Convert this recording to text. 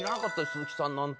鈴木さんなんて」